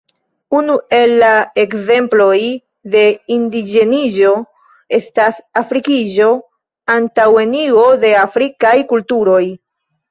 Unu el la ekzemploj de indiĝeniĝo estas afrikiĝo (antaŭenigo de afrikaj kulturoj).